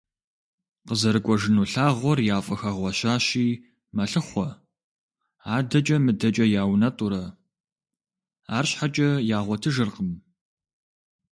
КъызэрыкӀуэжыну лъагъуэр яфӀыхэгъуэщащи мэлъыхъуэ, адэкӀэ-мыдэкӀэ яунэтӀурэ, арщхьэкӀэ ягъуэтыжыркъым.